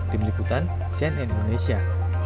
dimaliputan sien indonesia